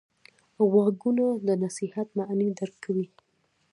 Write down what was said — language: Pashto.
غوږونه د نصیحت معنی درک کوي